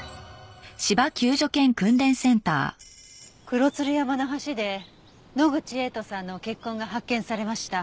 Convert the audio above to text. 黒鶴山の橋で野口栄斗さんの血痕が発見されました。